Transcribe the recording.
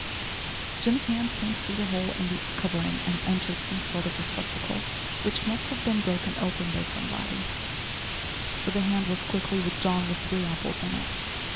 Jim's hand came through the hole in the covering and entered some sort of receptacle, which must have been broken open by somebody, for the hand was quickly withdrawn with three apples in it.